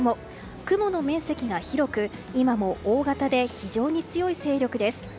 雲の面積が広く今も大型で非常に強い勢力です。